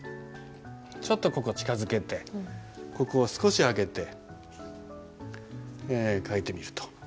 ちょっとここ近づけてここを少し空けて書いてみると。